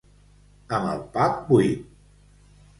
Amb el pap buit.